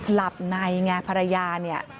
หลับในไงภรรยา